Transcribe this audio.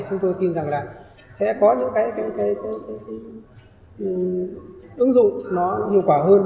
chúng tôi tin rằng sẽ có những ứng dụng nhiều quả hơn